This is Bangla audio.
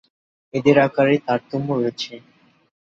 এদের আকারে তারতম্য রয়েছে।